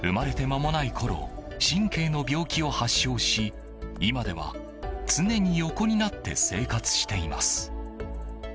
間もないころ神経の病気を発症し、今では常に横になって生活しています。